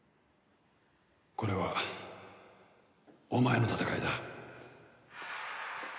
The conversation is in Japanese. これはお前の戦いだ。